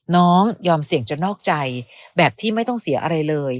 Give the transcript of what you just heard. ยอมเสี่ยงจนนอกใจแบบที่ไม่ต้องเสียอะไรเลย